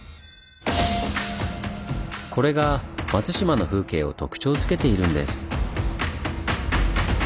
これが松島の風景を特徴づけているんです。